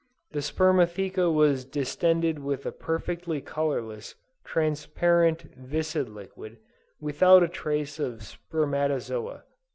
The spermatheca was distended with a perfectly colorless, transparent, viscid liquid, without a trace of spermatozoa."